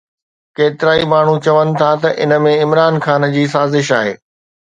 ڪيترائي ماڻهو چون ٿا ته ان ۾ عمران خان جي سازش آهي